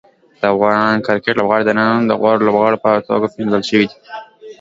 د افغان کرکټ لوبغاړي د نړۍ د غوره لوبغاړو په توګه پېژندل شوي دي.